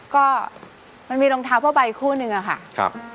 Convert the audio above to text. ก็มันมีรองเท้าเพราะบ่ายคู่หนึ่งเนี่ยค่ะ